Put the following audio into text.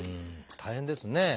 大変ですね。